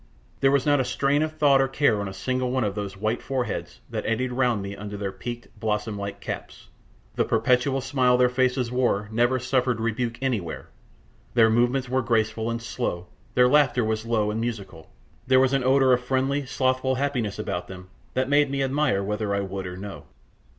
There was not a stain of thought or care on a single one of those white foreheads that eddied round me under their peaked, blossom like caps, the perpetual smile their faces wore never suffered rebuke anywhere; their very movements were graceful and slow, their laughter was low and musical, there was an odour of friendly, slothful happiness about them that made me admire whether I would or no.